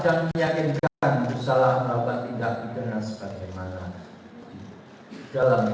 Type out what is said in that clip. takkan meyakinkan usaha mawar tidak dikenal seperti mana